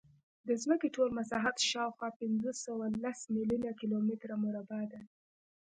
د ځمکې ټول مساحت شاوخوا پینځهسوهلس میلیونه کیلومتره مربع دی.